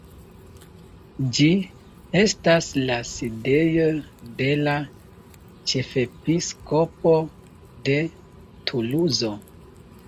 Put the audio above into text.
Ĝi estas la sidejo de la Ĉefepiskopo de Tuluzo.